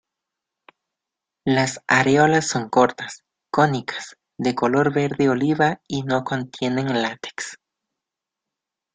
Las areolas son cortas, cónicas, de color verde oliva y no contienen látex.